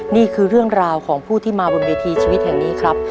นี่คือเรื่องราวของผู้ที่มาบนเวทีชีวิตแห่งนี้ครับ